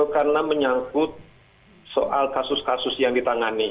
karena menyangkut soal kasus kasus yang ditangani